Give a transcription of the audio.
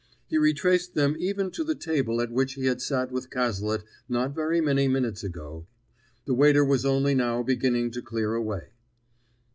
He retraced them even to the table at which he had sat with Cazalet not very many minutes ago; the waiter was only now beginning to clear away.